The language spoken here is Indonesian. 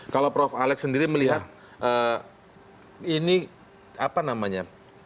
kalau prof alex sendiri melihat ini apa namanya